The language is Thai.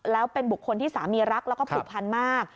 แล้วเป็นบุคคลที่สามีรักแล้วก็ผูกพันมาก